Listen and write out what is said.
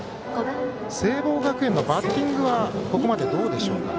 聖望学園のバッティングはここまでどうでしょうか。